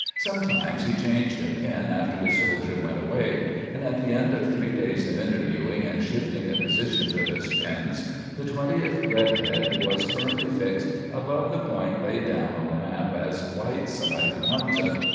Sometimes he changed a pin after the soldier went away; and at the end of three days of interviewing and shifting the positions of his pins, the twentieth red head was firmly fixed above the point laid down on the map as Whiteside Mountain.